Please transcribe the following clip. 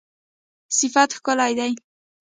صفت ښکلی دی